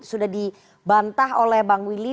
sudah dibantah oleh bang willy